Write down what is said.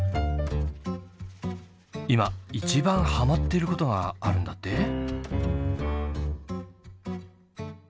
今一番ハマっていることがあるんだって？